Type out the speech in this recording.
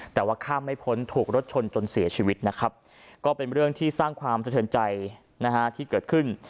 แต่ว่าข้ามไม่พ้นถูกรถชนจนเสียชีวิตนะครับก็เป็นเรื่องที่สร้างความสะเทินใจนะฮะที่เกิดขึ้น